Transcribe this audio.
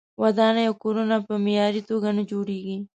ودانۍ او کورونه په معیاري توګه نه جوړیږي.